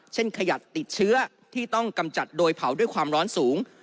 ขยะติดเชื้อที่ต้องกำจัดโดยเผาด้วยความร้อนสูง